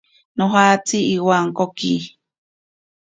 Nojatsi iwankoki.